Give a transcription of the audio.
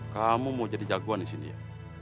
kamu mau jadi jagoan di sini ya